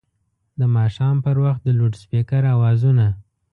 د ماښام پر وخت د لوډسپیکر اوازونه